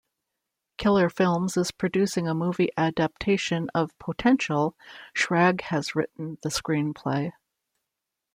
Killer Films is producing a movie adaptation of "Potential"; Schrag has written the screenplay.